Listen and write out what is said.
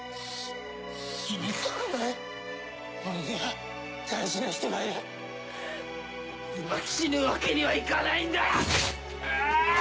俺には大事な人がいる死ぬわけにはいかないんだ！